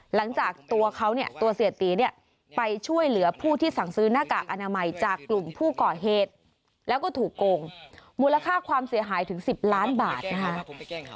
หลังจากตัวเขาเนี่ยตัวเสียตีเนี่ยไปช่วยเหลือผู้ที่สั่งซื้อหน้ากากอนามัยจากกลุ่มผู้ก่อเหตุแล้วก็ถูกโกงมูลค่าความเสียหายถึง๑๐ล้านบาทนะคะ